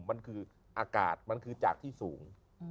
มันคืออากาศมันคือจากที่สูง